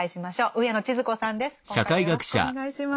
上野千鶴子さんです。